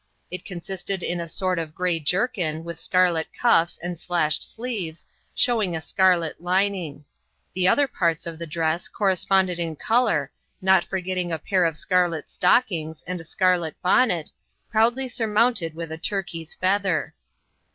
It consisted in a sort of grey jerkin, with scarlet cuffs and slashed sleeves, showing a scarlet lining; the other parts of the dress corresponded in colour, not forgetting a pair of scarlet stockings, and a scarlet bonnet, proudly surmounted with a turkey's feather.